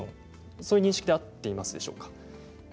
そういう認識で合っていますでしょうか。